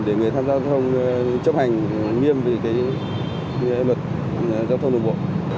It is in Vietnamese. để người tham gia giao thông chấp hành nghiêm về luật giao thông đường bộ